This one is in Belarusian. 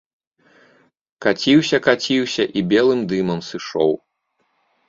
Каціўся, каціўся і белым дымам сышоў.